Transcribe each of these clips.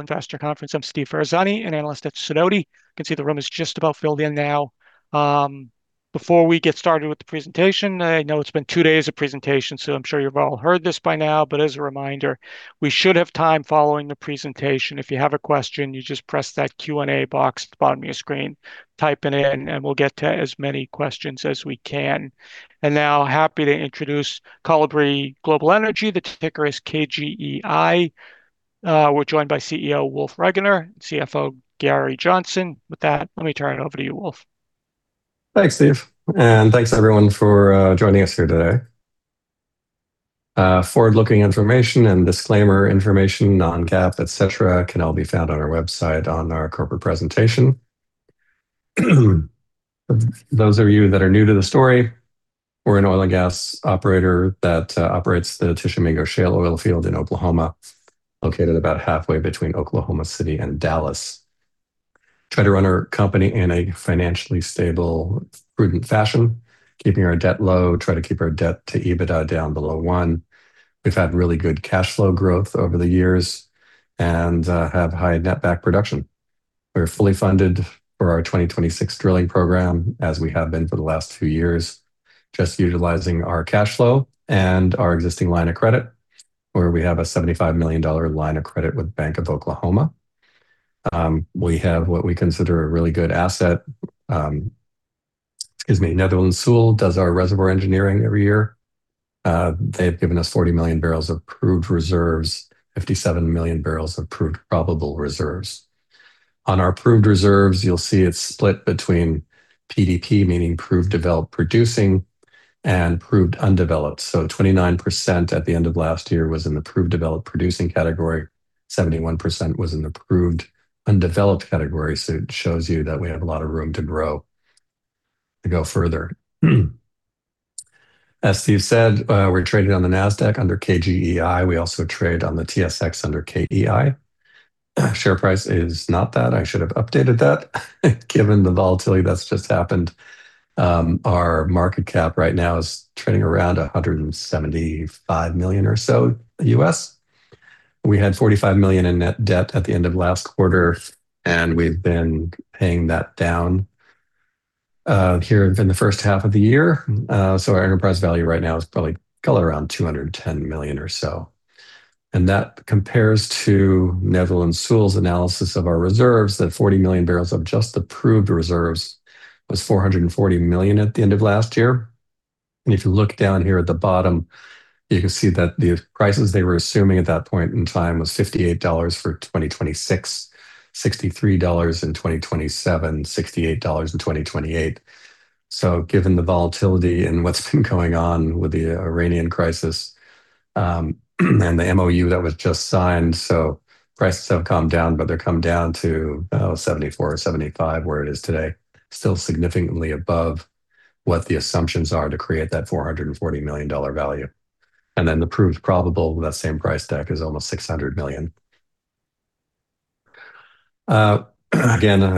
Investor Conference. I'm Steve Ferazani, an analyst at Sidoti. You can see the room is just about filled in now. Before we get started with the presentation, I know it's been two days of presentations, so I'm sure you've all heard this by now, but as a reminder, we should have time following the presentation. If you have a question, you just press that Q&A box at the bottom of your screen, type it in, and we'll get to as many questions as we can. Now, happy to introduce Kolibri Global Energy. The ticker is KGEI. We're joined by CEO Wolf Regener and CFO Gary Johnson. With that, let me turn it over to you, Wolf. Thanks, Steve. Thanks everyone for joining us here today. Forward-looking information and disclaimer information, non-GAAP, et cetera, can all be found on our website on our corporate presentation. Those of you that are new to the story, we're an oil and gas operator that operates the Tishomingo Shale oil field in Oklahoma, located about halfway between Oklahoma City and Dallas. We try to run our company in a financially stable, prudent fashion, keeping our debt low, try to keep our debt to EBITDA down below one. We've had really good cash flow growth over the years and have high netback production. We're fully funded for our 2026 drilling program, as we have been for the last few years. Just utilizing our cash flow and our existing line of credit, where we have a $75 million line of credit with Bank of Oklahoma. We have what we consider a really good asset. Excuse me. Netherland, Sewell does our reservoir engineering every year. They've given us 40 million barrels of proved reserves, 57 million barrels of proved probable reserves. On our proved reserves, you'll see it's split between PDP, meaning proved developed producing, and proved undeveloped. 29% at the end of last year was in the proved developed producing category, 71% was in the proved undeveloped category, so it shows you that we have a lot of room to grow, to go further. As Steve said, we're traded on the Nasdaq under KGEI. We also trade on the TSX under KEI. Share price is not that. I should have updated that given the volatility that's just happened. Our market cap right now is trading around $175 million or so U.S. We had $45 million in net debt at the end of last quarter, we've been paying that down here in the first half of the year. Our enterprise value right now is probably around $210 million or so. That compares to Netherland, Sewell's analysis of our reserves, that 40 million barrels of just the proved reserves was $440 million at the end of last year. If you look down here at the bottom, you can see that the prices they were assuming at that point in time was $58 for 2026, $63 in 2027, $68 in 2028. Given the volatility and what's been going on with the Iranian crisis, and the MoU that was just signed, prices have come down, but they've come down to, oh, $74 or $75, where it is today. Still significantly above what the assumptions are to create that $440 million value. The proved probable with that same price tag is almost $600 million. I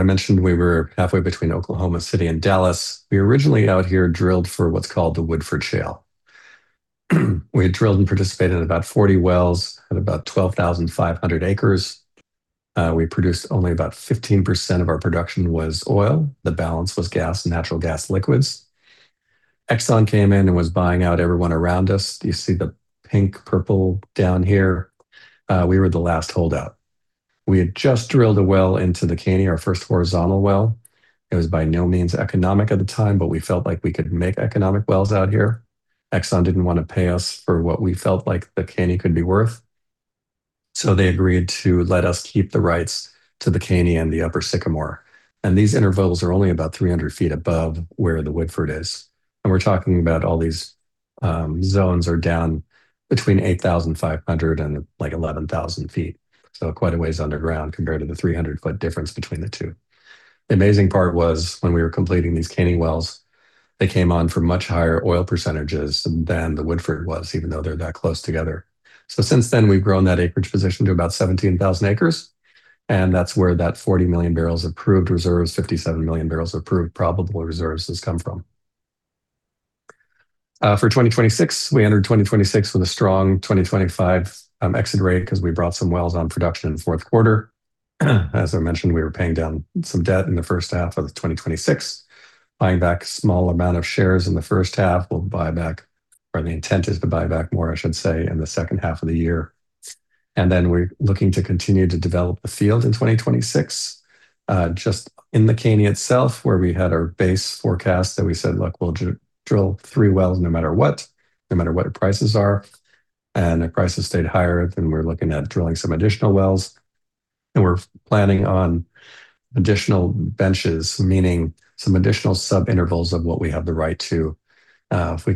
mentioned we were halfway between Oklahoma City and Dallas. We originally out here drilled for what's called the Woodford Shale. We had drilled and participated in about 40 wells at about 12,500 acres. We produced only about 15% of our production was oil. The balance was gas, natural gas liquids. Exxon came in and was buying out everyone around us. Do you see the pink purple down here? We were the last holdout. We had just drilled a well into the Caney, our first horizontal well. It was by no means economic at the time, we felt like we could make economic wells out here. Exxon didn't want to pay us for what we felt like the Caney could be worth. They agreed to let us keep the rights to the Caney and the Upper Sycamore. These intervals are only about 300 feet above where the Woodford is. We're talking about all these zones are down between 8,500 and 11,000 feet. Quite a ways underground compared to the 300-foot difference between the two. The amazing part was when we were completing these Caney wells, they came on for much higher oil percentages than the Woodford was, even though they're that close together. Since then, we've grown that acreage position to about 17,000 acres, and that's where that 40 million barrels of proved reserves, 57 million barrels of proved probable reserves has come from. For 2026, we entered 2026 with a strong 2025 exit rate because we brought some wells on production in the fourth quarter. As I mentioned, we were paying down some debt in the first half of 2026, buying back a small amount of shares in the first half. The intent is to buy back more, I should say, in the second half of the year. We're looking to continue to develop the field in 2026. Just in the Caney itself, where we had our base forecast that we said, "Look, we'll drill three wells no matter what, no matter what prices are." The prices stayed higher. We're looking at drilling some additional wells. We're planning on additional benches, meaning some additional subintervals of what we have the right to. If we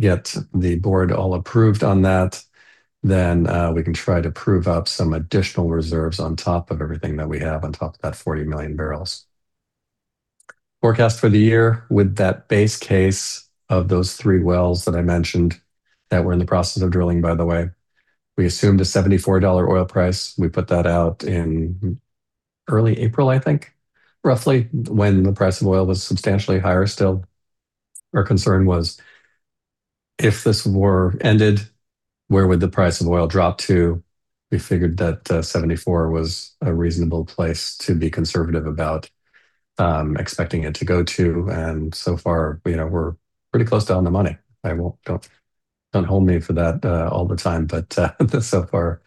can get the board all approved on that, we can try to prove up some additional reserves on top of everything that we have on top of that 40 million barrels. Forecast for the year with that base case of those three wells that I mentioned, that we're in the process of drilling, by the way. We assumed a $74 oil price. We put that out in early April, I think, roughly, when the price of oil was substantially higher still. Our concern was If this war ended, where would the price of oil drop to? We figured that $74 was a reasonable place to be conservative about expecting it to go to. So far, we're pretty close to on the money. Don't hold me for that all the time. So far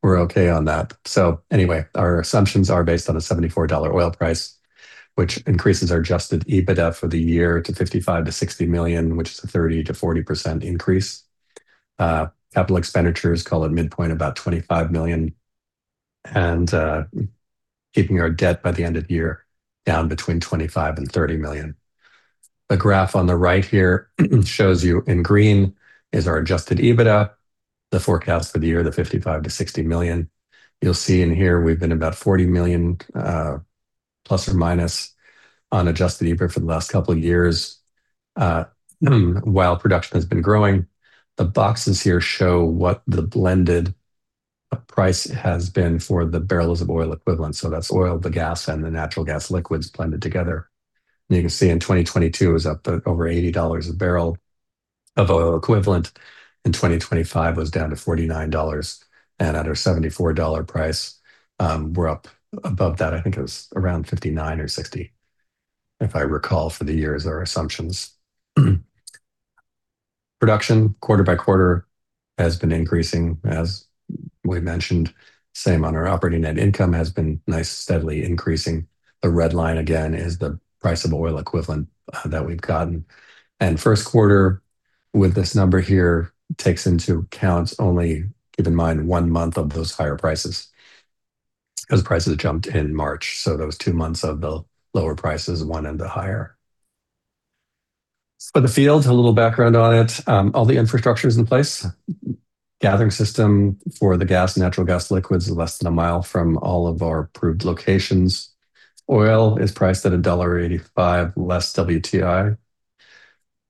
we're okay on that. Our assumptions are based on a $74 oil price, which increases our adjusted EBITDA for the year to $55 million-$60 million, which is a 30%-40% increase. Capital expenditures call at midpoint about $25 million, and keeping our debt by the end of the year down between $25 million and $30 million. The graph on the right here shows you in green is our adjusted EBITDA, the forecast for the year, the $55 million-$60 million. You'll see in here we've been about $40 million, plus or minus on adjusted EBIT for the last couple of years. While production has been growing, the boxes here show what the blended price has been for the barrels of oil equivalent. That's oil, the gas, and the natural gas liquids blended together. You can see in 2022, it was up to over $80 a barrel of oil equivalent. In 2025, it was down to $49. At our $74 price, we're up above that. I think it was around $59 or $60, if I recall, for the years our assumptions. Production quarter-by-quarter has been increasing, as we mentioned. Same on our operating net income has been nice, steadily increasing. The red line, again, is the price of oil equivalent that we've gotten. First quarter with this number here takes into account only, keep in mind, one month of those higher prices, because prices jumped in March. Those two months of the lower prices, one and the higher. For the field, a little background on it. All the infrastructure's in place. Gathering system for the gas, natural gas liquids, less than a mile from all of our approved locations. Oil is priced at a $1.85 less WTI.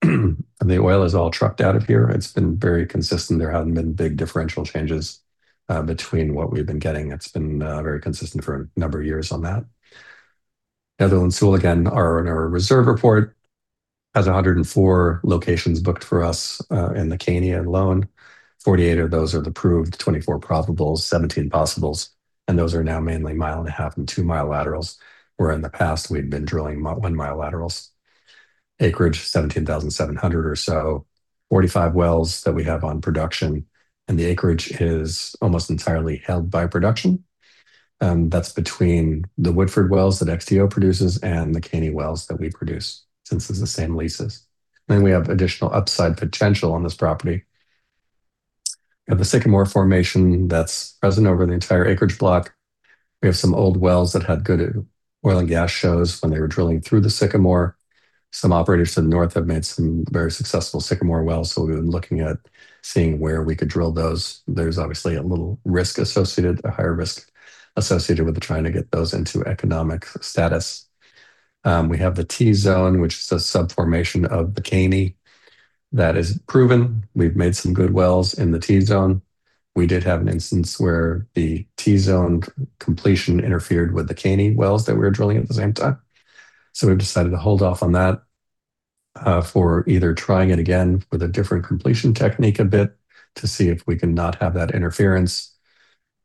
The oil is all trucked out of here. It's been very consistent. There haven't been big differential changes between what we've been getting. It's been very consistent for a number of years on that. Netherland, Sewell again, our reserve report has 104 locations booked for us, in the Caney alone. 48 of those are the Proved, 24 Probables, 17 Possibles, and those are now mainly 1.5-mile and 2-mile laterals, where in the past we'd been drilling 1-mile laterals. Acreage 17,700 or so. 45 wells that we have on production, the acreage is almost entirely held by production. That's between the Woodford wells that XTO produces and the Caney wells that we produce since it's the same leases. We have additional upside potential on this property. We have the Sycamore Formation that's present over the entire acreage block. We have some old wells that had good oil and gas shows when they were drilling through the Sycamore. Some operators to the north have made some very successful Sycamore wells, we've been looking at seeing where we could drill those. There's obviously a little risk associated, a higher risk associated with trying to get those into economic status. We have the T-Zone, which is a sub-formation of the Caney that is proven. We've made some good wells in the T-Zone. We did have an instance where the T-Zone completion interfered with the Caney wells that we were drilling at the same time. We've decided to hold off on that, for either trying it again with a different completion technique a bit to see if we can not have that interference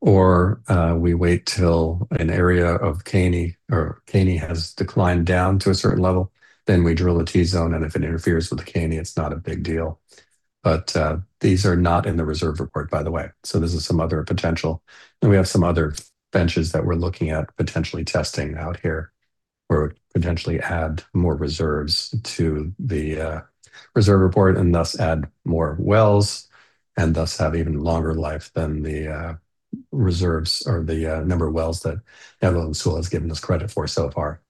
or we wait till an area of Caney has declined down to a certain level, then we drill a T-Zone, and if it interferes with the Caney, it's not a big deal. These are not in the reserve report, by the way. This is some other potential. We have some other benches that we're looking at potentially testing out here or potentially add more reserves to the reserve report and thus add more wells, and thus have even longer life than the reserves or the number of wells that Netherland, Sewell has given us credit for so far.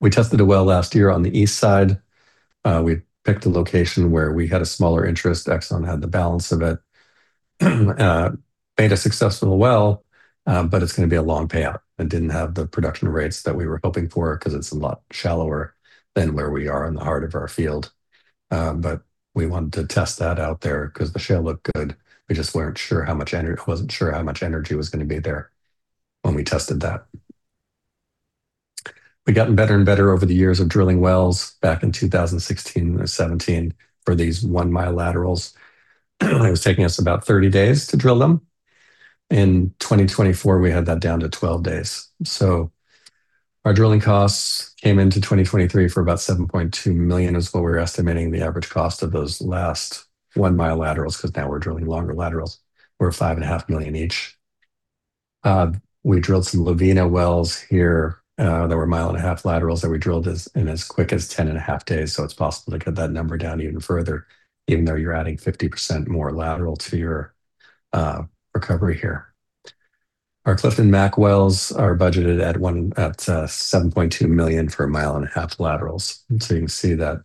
We tested a well last year on the east side. We picked a location where we had a smaller interest. Exxon had the balance of it. It's going to be a long payout and didn't have the production rates that we were hoping for because it's a lot shallower than where we are in the heart of our field. We wanted to test that out there because the shale looked good. We just wasn't sure how much energy was going to be there when we tested that. We've gotten better and better over the years of drilling wells back in 2016 or 2017 for these one-mile laterals. It was taking us about 30 days to drill them. In 2024, we had that down to 12 days. Our drilling costs came into 2023 for about $7.2 million is what we were estimating the average cost of those last one-mile laterals, because now we're drilling longer laterals. We're $5.5 million each. We drilled some Lovina wells here, that were mile and a half laterals that we drilled in as quick as 10 and a half days. It's possible to get that number down even further, even though you're adding 50% more lateral to your recovery here. Our Clifton Mac wells are budgeted at $7.2 million for a mile and a half laterals. You can see that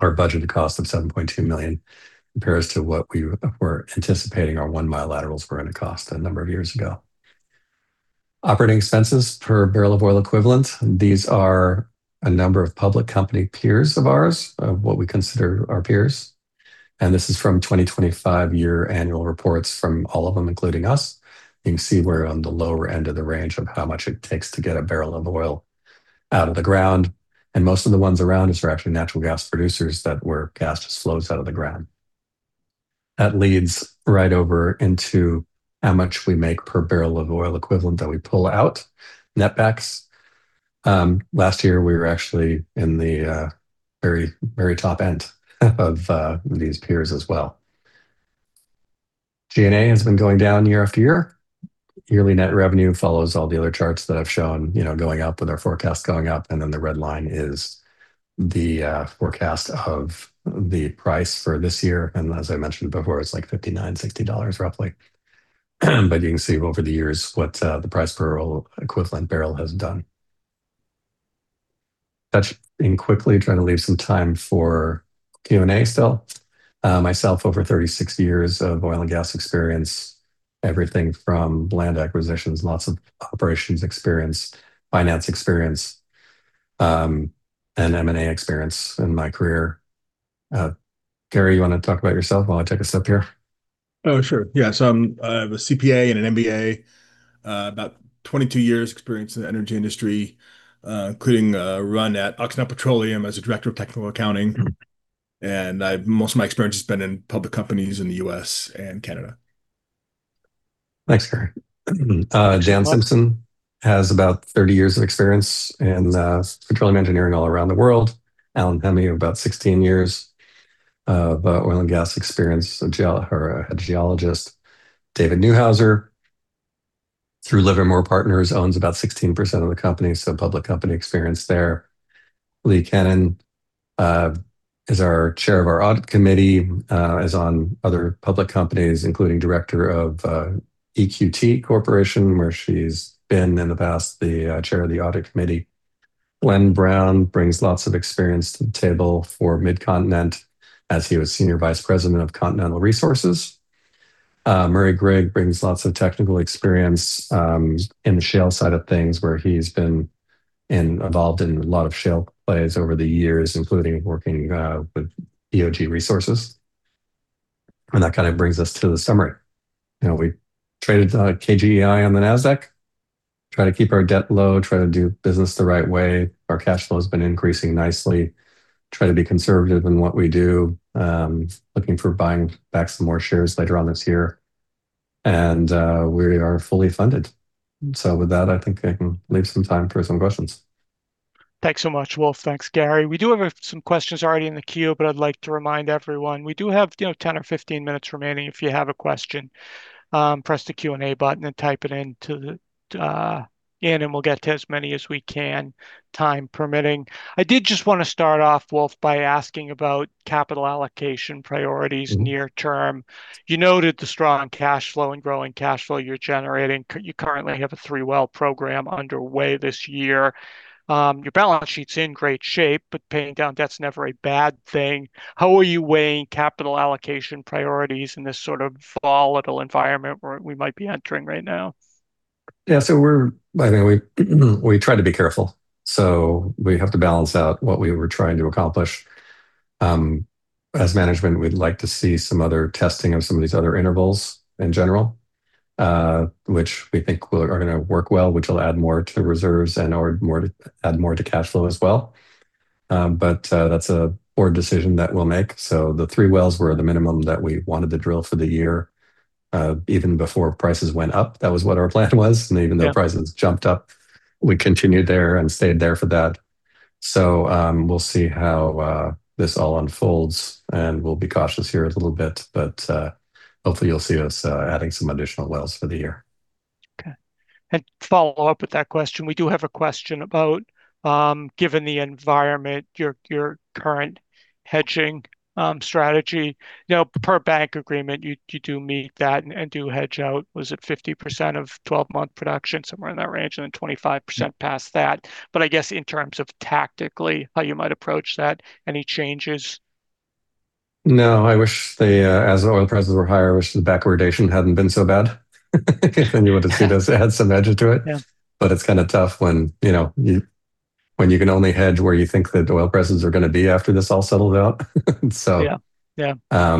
our budgeted cost of $7.2 million compares to what we were anticipating our one-mile laterals were going to cost a number of years ago. Operating expenses per barrel of oil equivalent. These are a number of public company peers of ours, of what we consider our peers. This is from 2025 year annual reports from all of them, including us. You can see we're on the lower end of the range of how much it takes to get a barrel of oil out of the ground. Most of the ones around us are actually natural gas producers that where gas just flows out of the ground. That leads right over into how much we make per barrel of oil equivalent that we pull out. Net backs. Last year, we were actually in the very top end of these peers as well. G&A has been going down year after year. Yearly net revenue follows all the other charts that I've shown, going up with our forecast going up, the red line is the forecast of the price for this year. As I mentioned before, it's like $59, $60 roughly. You can see over the years what the price per oil equivalent barrel has done. Touching quickly, trying to leave some time for Q&A still. Myself, over 36 years of oil and gas experience. Everything from land acquisitions, lots of operations experience, finance experience, and M&A experience in my career. Gary, you want to talk about yourself while I take us up here? Oh, sure. Yeah. I have a CPA and an MBA, about 22 years experience in the energy industry, including a run at Occidental Petroleum as a director of technical accounting. Most of my experience has been in public companies in the U.S. and Canada. Thanks, Gary. Dan Simpson has about 30 years of experience in petroleum engineering all around the world. Allan Hemmy, about 16 years of oil and gas experience, a geologist. David Neuhauser, through Livermore Partners, owns about 16% of the company, so public company experience there. Lee Canaan is our chair of our audit committee. Is on other public companies, including director of EQT Corporation, where she's been, in the past, the chair of the audit committee. Glen Brown brings lots of experience to the table for Midcontinent, as he was senior vice president of Continental Resources. Murray Grigg brings lots of technical experience in the shale side of things, where he's been involved in a lot of shale plays over the years, including working with EOG Resources. That kind of brings us to the summary. We trade as KGEI on the Nasdaq. Try to keep our debt low, try to do business the right way. Our cash flow has been increasing nicely. Try to be conservative in what we do. Looking for buying back some more shares later on this year. We are fully funded. With that, I think I can leave some time for some questions. Thanks so much, Wolf. Thanks, Gary. We do have some questions already in the queue, but I'd like to remind everyone, we do have 10 or 15 minutes remaining. If you have a question, press the Q&A button and type it in, and we'll get to as many as we can, time permitting. I did just want to start off, Wolf, by asking about capital allocation priorities near term. You noted the strong cash flow and growing cash flow you're generating. You currently have a three-well program underway this year. Your balance sheet's in great shape, but paying down debt's never a bad thing. How are you weighing capital allocation priorities in this sort of volatile environment where we might be entering right now? Yeah. We try to be careful. We have to balance out what we were trying to accomplish. As management, we'd like to see some other testing of some of these other intervals in general, which we think are going to work well, which will add more to reserves and/or add more to cash flow as well. But, that's a board decision that we'll make. The three wells were the minimum that we wanted to drill for the year. Even before prices went up, that was what our plan was. Yeah though prices jumped up, we continued there and stayed there for that. We'll see how this all unfolds, and we'll be cautious here a little bit. Hopefully, you'll see us adding some additional wells for the year. Okay. Follow up with that question. We do have a question about, given the environment, your current hedging strategy. Per bank agreement, you do meet that and do hedge out, was it 50% of 12-month production, somewhere in that range, and then 25% past that. I guess in terms of tactically how you might approach that, any changes? No. As the oil prices were higher, I wish the backwardation hadn't been so bad. You would've seen us add some hedge to it. Yeah. It's kind of tough when you can only hedge where you think that the oil prices are going to be after this all settles out. Yeah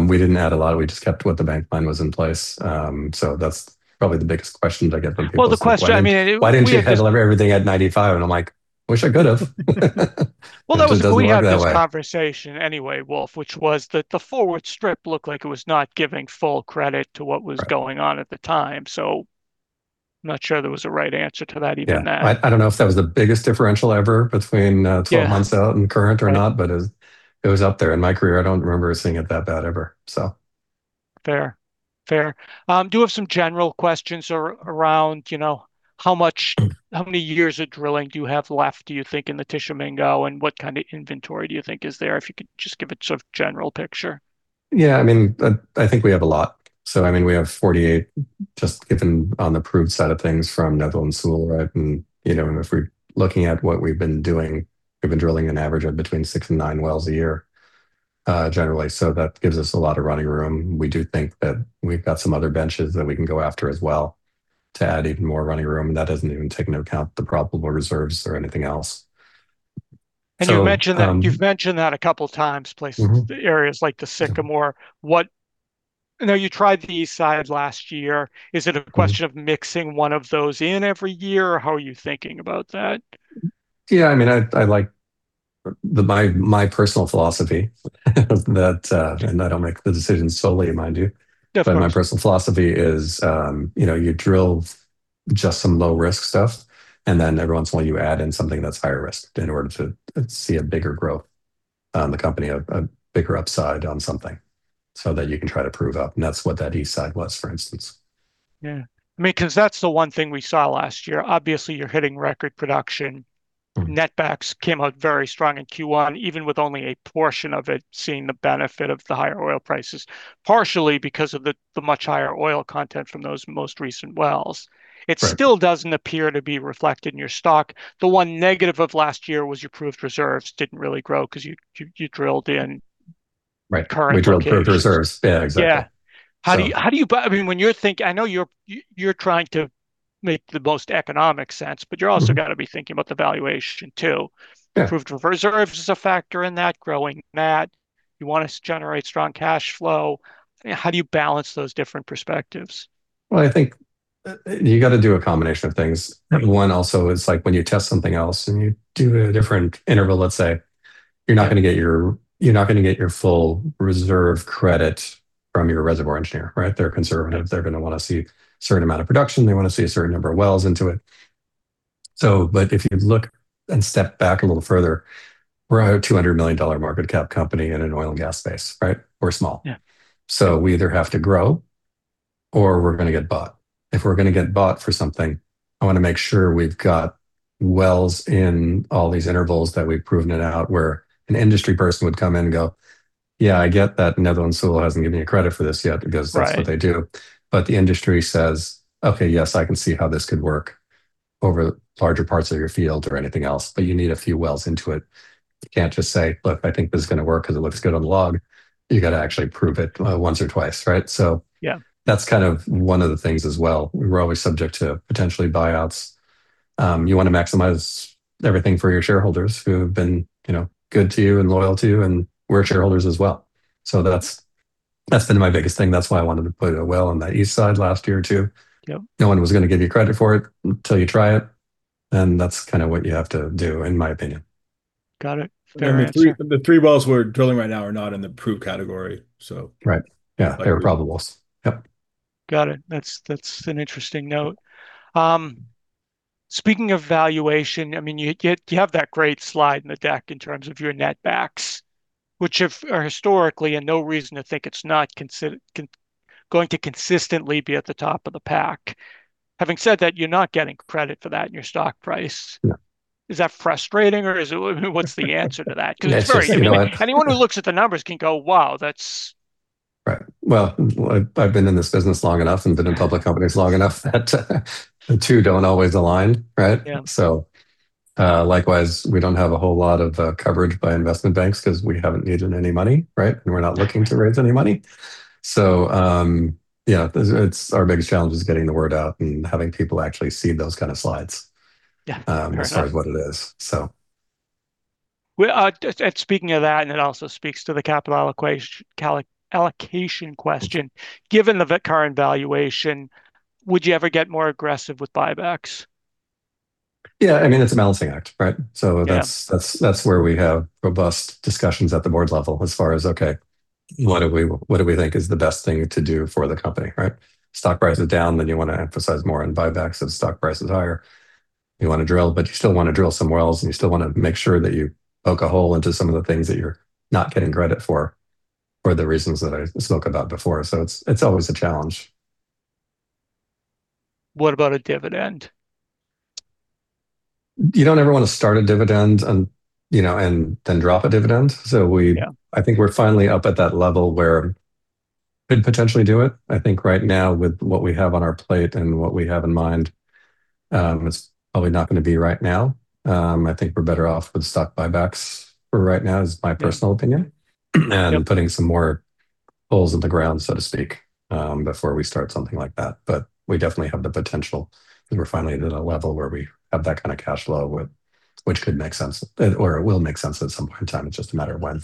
We didn't add a lot. We just kept what the bank plan was in place. That's probably the biggest question I get from people. Well, the question, why didn't you? Why didn't you hedge everything at $95? I'm like, "Wish I could've. Well, that was- It just doesn't work that way We had this conversation anyway, Wolf, which was that the forward strip looked like it was not giving full credit to what was- Right going on at the time. I'm not sure there was a right answer to that even then. Yeah. I don't know if that was the biggest differential ever between 12 months out and current or not, it was up there. In my career, I don't remember seeing it that bad ever. Fair. Do have some general questions around how many years of drilling do you have left, do you think, in the Tishomingo, and what kind of inventory do you think is there? If you could just give a sort of general picture. Yeah. I think we have a lot. We have 48 just given on the proved side of things from Netherland and Sewell. If we're looking at what we've been doing, we've been drilling an average of between six and nine wells a year, generally. That gives us a lot of running room. We do think that we've got some other benches that we can go after as well to add even more running room, that doesn't even take into account the probable reserves or anything else. You've mentioned that a couple times, places, the areas like the Sycamore. You tried the east side last year. Is it a question of mixing one of those in every year, or how are you thinking about that? Yeah. I like my personal philosophy that, and I don't make the decisions solely, mind you. Yeah, of course. My personal philosophy is, you drill just some low-risk stuff, and then every once in a while you add in something that's higher risk in order to see a bigger growth on the company, a bigger upside on something, so that you can try to prove up. That's what that East side was, for instance. That's the one thing we saw last year. Obviously, you're hitting record production. Netbacks came out very strong in Q1, even with only a portion of it seeing the benefit of the higher oil prices, partially because of the much higher oil content from those most recent wells. Right. It still doesn't appear to be reflected in your stock. The one negative of last year was your proved reserves didn't really grow because you drilled. Right current location. We drilled proved reserves. Yeah, exactly. Yeah. So. How do you- I know you're trying to make the most economic sense, you've also got to be thinking about the valuation, too. Yeah. Proved reserves is a factor in that, growing that, you want to generate strong cash flow. How do you balance those different perspectives? Well, I think you've got to do a combination of things. Right. One also is like when you test something else and you do a different interval, let's say. Yeah. You're not going to get your full reserve credit from your reservoir engineer, right? They're conservative. They're going to want to see a certain amount of production. They want to see a certain number of wells into it. If you look and step back a little further, we're a $200 million market cap company in an oil and gas space, right? We're small. Yeah. We either have to grow or we're going to get bought. If we're going to get bought for something, I want to make sure we've got wells in all these intervals that we've proven it out, where an industry person would come in and go, "Yeah, I get that Netherland still hasn't given you credit for this yet. Right that's what they do." The industry says, "Okay, yes, I can see how this could work over larger parts of your field or anything else," but you need a few wells into it. You can't just say, "Look, I think this is going to work because it looks good on the log." You've got to actually prove it once or twice, right? Yeah that's one of the things as well. We're always subject to potentially buyouts. You want to maximize everything for your shareholders who have been good to you and loyal to you, and we're shareholders as well. That's been my biggest thing. That's why I wanted to put a well on the east side last year, too. Yep. No one was going to give you credit for it until you try it, and that's what you have to do, in my opinion. Got it. Fair answer. The three wells we're drilling right now are not in the proved category. Right. Yeah. They're probables. Yep. Got it. That's an interesting note. Speaking of valuation, you have that great slide in the deck in terms of your netbacks, which are historically and no reason to think it's not going to consistently be at the top of the pack. Having said that, you're not getting credit for that in your stock price. Yeah. Is that frustrating or what's the answer to that? It's, you know. Anyone who looks at the numbers can go, "Wow, that's Right. Well, I've been in this business long enough and been in public companies long enough that the two don't always align, right? Yeah. Likewise, we don't have a whole lot of coverage by investment banks because we haven't needed any money, right? We're not looking to raise any money. Yeah. It's our biggest challenge is getting the word out and having people actually see those kind of slides. Yeah. Fair enough. It is what it is, so. Speaking of that, it also speaks to the capital allocation question. Given the current valuation, would you ever get more aggressive with buybacks? Yeah. It's a balancing act, right? Yeah. That's where we have robust discussions at the board level as far as, okay, what do we think is the best thing to do for the company, right? Stock price is down, then you want to emphasize more on buybacks. If the stock price is higher, you want to drill, but you still want to drill some wells, and you still want to make sure that you poke a hole into some of the things that you're not getting credit for the reasons that I spoke about before. It's always a challenge. What about a dividend? You don't ever want to start a dividend and then drop a dividend. Yeah. I think we're finally up at that level where we could potentially do it. I think right now with what we have on our plate and what we have in mind, it's probably not going to be right now. I think we're better off with stock buybacks for right now is my personal opinion. Yeah. Putting some more holes in the ground, so to speak, before we start something like that. We definitely have the potential because we're finally at a level where we have that kind of cash flow, which could make sense, or it will make sense at some point in time. It's just a matter when.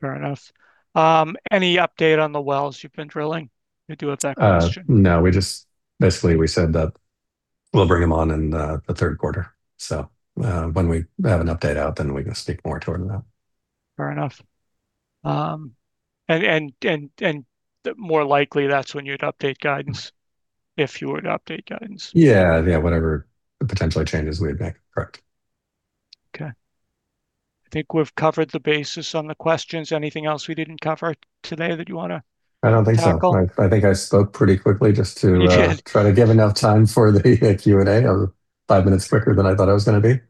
Fair enough. Any update on the wells you've been drilling? To do with that question. No. Basically, we said that we'll bring them on in the third quarter. When we have an update out, then we can speak more toward that. Fair enough. More likely, that's when you'd update guidance. If you were to update guidance. Yeah. Whatever the potential changes we make. Correct. Okay. I think we've covered the basis on the questions. Anything else we didn't cover today that you want to tackle? I don't think so. I think I spoke pretty quickly. You did I tried to give enough time for the Q&A. I was five minutes quicker than I thought I was going to be.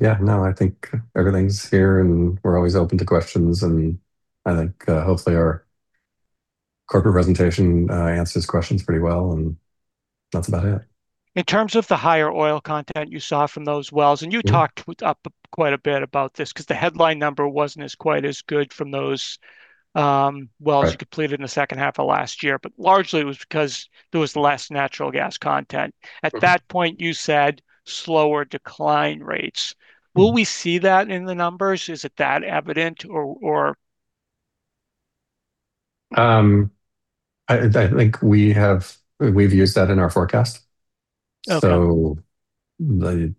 Yeah. No, I think everything's here, and we're always open to questions, and I think hopefully our corporate presentation answers questions pretty well, and that's about it. In terms of the higher oil content you saw from those wells, and you talked quite a bit about this, because the headline number wasn't as quite as good from those wells Right you completed in the second half of last year. Largely it was because there was less natural gas content. Right. At that point you said slower decline rates. Will we see that in the numbers? Is it that evident? I think we've used that in our forecast. Okay.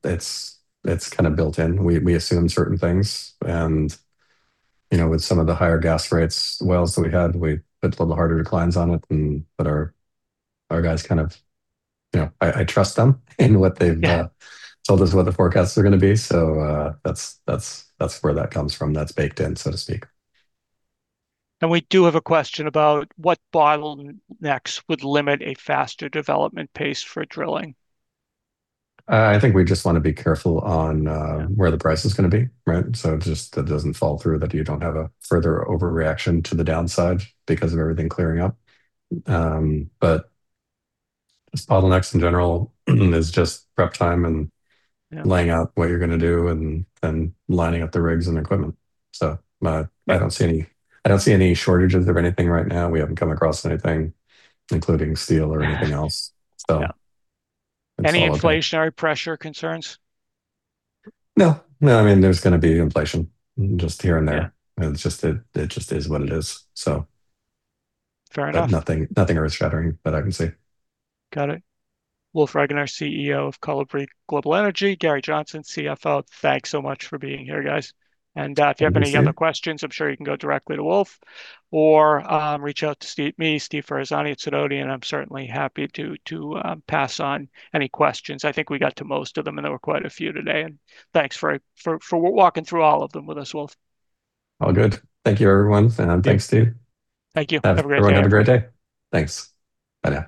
That's built in. We assume certain things, with some of the higher gas rates wells that we had, we put a little harder declines on it, our guys I trust them in what they've Yeah told us what the forecasts are going to be. That's where that comes from. That's baked in, so to speak. We do have a question about what bottlenecks would limit a faster development pace for drilling. I think we just want to be careful on. Yeah where the price is going to be. Right? Just that it doesn't fall through, that you don't have a further overreaction to the downside because of everything clearing up. Just bottlenecks in general is just prep time and. Yeah laying out what you're going to do, then lining up the rigs and equipment. Yeah I don't see any shortages of anything right now. We haven't come across anything, including steel or anything else. Yeah. It's all good. Any inflationary pressure concerns? No. There's going to be inflation just here and there. Yeah. It just is what it is, so. Fair enough. Nothing earth-shattering that I can see. Got it. Wolf Regener, CEO of Kolibri Global Energy. Gary Johnson, CFO. Thanks so much for being here, guys. Good to see you. If you have any other questions, I'm sure you can go directly to Wolf or reach out to me, Steve Ferazani at Sidoti, and I'm certainly happy to pass on any questions. I think we got to most of them, and there were quite a few today. Thanks for walking through all of them with us, Wolf. All good. Thank you, everyone, and thanks, Steve. Thank you. Have a great day. Everyone, have a great day. Thanks. Bye now.